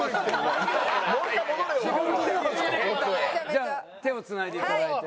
じゃあ手をつないでいただいて。